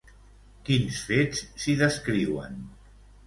Quins fets s'hi descriuen?